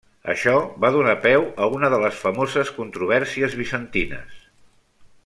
Això va donar peu a una de les famoses controvèrsies bizantines.